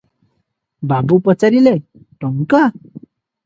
ବାବୁ ପଚାରିଲେ- ଟଙ୍କା?